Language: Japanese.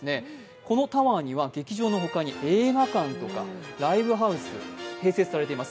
このタワーには劇場のほかに映画館、ライブハウスが併設されています。